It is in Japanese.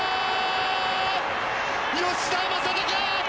吉田正尚！